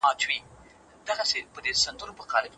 آیا الله به له انسانانو سره محاسبه وکړي؟